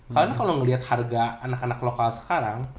karena kalau ngeliat harga anak anak lokal sekarang